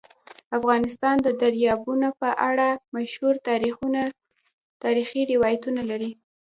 افغانستان د دریابونه په اړه مشهور تاریخی روایتونه لري.